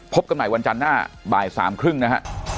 พบกันใหม่วันจันทร์หน้าบ่าย๓๓๐นะฮะ